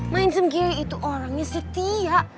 main sem geri itu orangnya setia